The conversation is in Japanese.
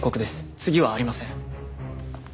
次はありません。